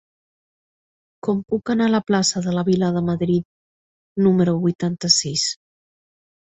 Com puc anar a la plaça de la Vila de Madrid número vuitanta-sis?